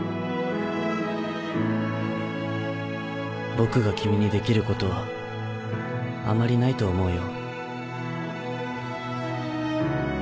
僕が君にできることはあまりないと思うよ。